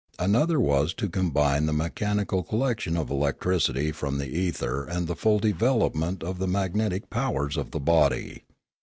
Another was, to combine the mechanical collection of electricity from the ether and the full development of the magnetic powers of the body.